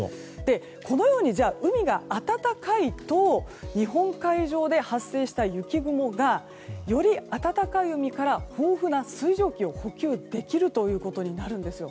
このように海が温かいと日本海上で発生した雪雲がより、暖かい海から豊富な水蒸気を補給できるということになるんです。